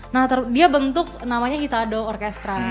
nah dia bentuk namanya itado orkestra